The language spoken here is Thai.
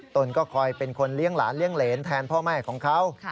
ตนก็คอยเป็นคนเลี้ยงหลานเลี้ยงเหรนแทนพ่อแม่ของเขา